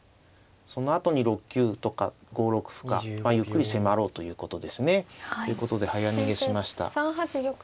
そのあとに６九とか５六歩かまあゆっくり迫ろうということですね。ということで早逃げしました。